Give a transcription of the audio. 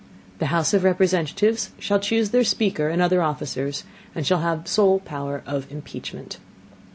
The House of Representatives shall chuse their Speaker and other Officers; and shall have the sole Power of Impeachment.